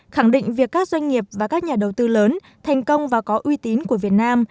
khẳng định việc các doanh nghiệp và các nhà đầu tư lớn thành công và có uy tín của việt nam